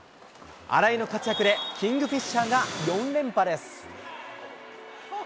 荒井の活躍で、キングフィッシャーが４連覇です。